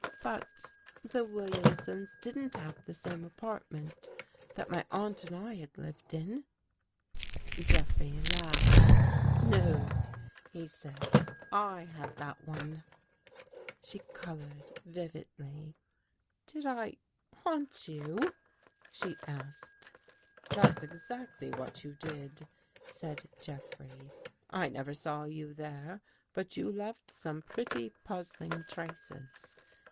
But — the William sons didn't have the same apartment that my aunt and I had lived in." Jeffrey laughed. " No," he said. " I had that one." She colored vividly. ''Did I — haunt you?" she asked. " That's exactly what you did," said Jeffrey. " I never saw you there, but you left some pretty puz zling traces.